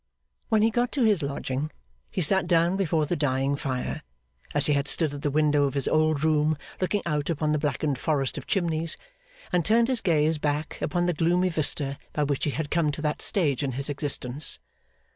When he got to his lodging, he sat down before the dying fire, as he had stood at the window of his old room looking out upon the blackened forest of chimneys, and turned his gaze back upon the gloomy vista by which he had come to that stage in his existence.